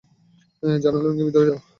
জানালা ভেঙ্গে ভিতরে যাও!